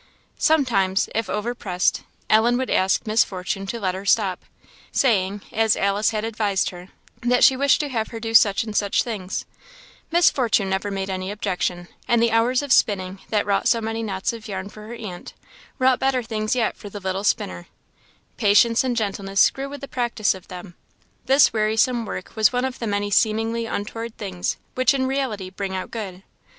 Sometimes, if over pressed, Ellen would ask Miss Fortune to let her stop; saying, as Alice had advised her, that she wished to have her do such and such things; Miss Fortune never made any objection; and the hours of spinning that wrought so many knots of yarn for her aunt, wrought better things yet for the little spinner: patience and gentleness grew with the practice of them; this wearisome work was one of the many seemingly untoward things which in reality bring out good.